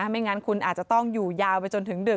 ไม่งั้นคุณอาจจะต้องอยู่ยาวไปจนถึงดึก